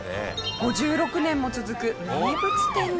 ５６年も続く名物店ですが。